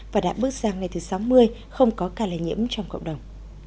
và đã bước sang ngày thứ sáu mươi không có ca lây nhiễm trong cộng đồng